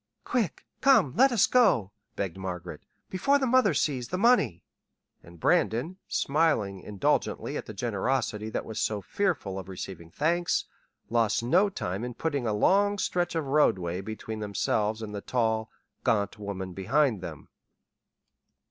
"Quick come let us go," begged Margaret, "before the mother sees the money!" And Brandon, smiling indulgently at the generosity that was so fearful of receiving thanks, lost no time in putting a long stretch of roadway between themselves and the tall, gaunt woman behind them.